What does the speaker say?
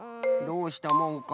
どうしたもんか。